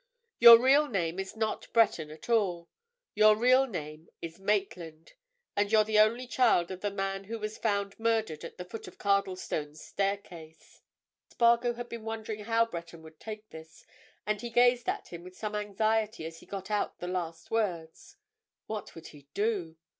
Your real name is not Breton at all. Your real name is Maitland, and you're the only child of the man who was found murdered at the foot of Cardlestone's staircase!" Spargo had been wondering how Breton would take this, and he gazed at him with some anxiety as he got out the last words. What would he do?